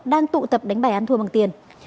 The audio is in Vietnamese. đang tụ tập đánh bài ăn thua bằng tiền